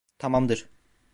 Tamamdır!